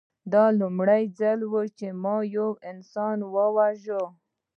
دا لومړی ځل و چې ما یو انسان وواژه